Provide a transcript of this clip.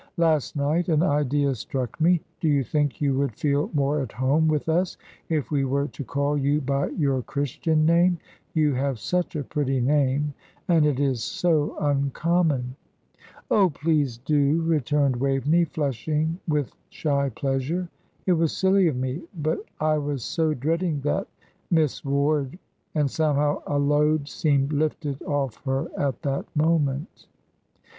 Last night an idea struck me. Do you think you would feel more at home with us if we were to call you by your Christian name? You have such a pretty name, and it is so uncommon." "Oh, please do," returned Waveney, flushing with shy pleasure. "It was silly of me, but I was so dreading that 'Miss Ward;'" and somehow a load seemed lifted off her at that moment.